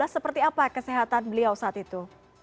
seperti apa kesehatan beliau saat itu